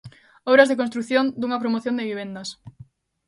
Obras de construción dunha promoción de vivendas.